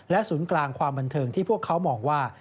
ศูนย์กลางความบันเทิงที่พวกเขามองว่า